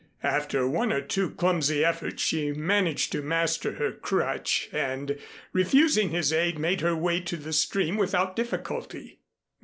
After one or two clumsy efforts she managed to master her crutch and, refusing his aid, made her way to the stream without difficulty.